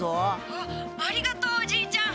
☎あっありがとうおじいちゃん。